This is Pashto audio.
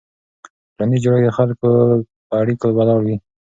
ټولنیز جوړښت د خلکو په اړیکو ولاړ وي.